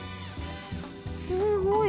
すごい！